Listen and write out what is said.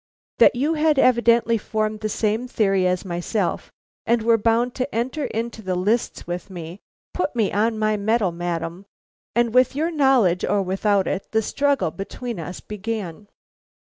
That you had evidently formed the same theory as myself and were bound to enter into the lists with me, put me on my mettle, madam, and with your knowledge or without it, the struggle between us began."